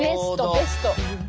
ベスト！